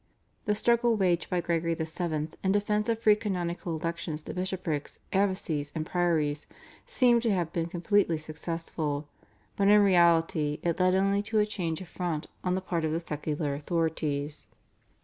The struggle waged by Gregory VII. in defence of free canonical election to bishoprics, abbacies, and priories seemed to have been completely successful, but in reality it led only to a change of front on the part of the secular authorities.